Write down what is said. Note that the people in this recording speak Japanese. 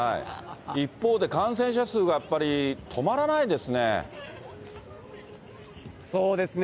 一方で、感染者数がやっぱり止まらないですね。